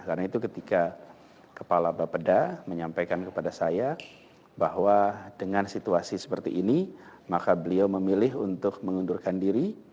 karena itu ketika kepala bapeda menyampaikan kepada saya bahwa dengan situasi seperti ini maka beliau memilih untuk mengundurkan diri